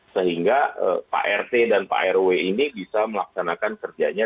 sehingga pak rt dan pak rw ini bisa melaksanakan kerjanya